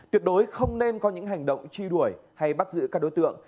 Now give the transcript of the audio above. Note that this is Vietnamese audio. tuyệt đối không nên có những hành động truy đuổi hay bắt giữ các đối tượng